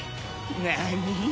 何？